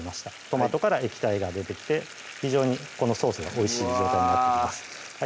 トマトから液体が出てきて非常にこのソースがおいしい状態になってきます